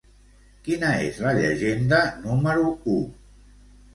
Quina és la llegenda número u?